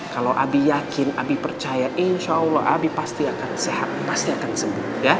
kalau abi yakin abi percaya insya allah abi pasti akan sehat pasti akan sembuh